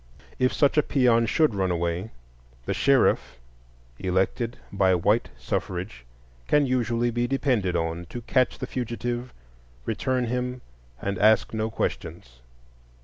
If such a peon should run away, the sheriff, elected by white suffrage, can usually be depended on to catch the fugitive, return him, and ask no questions.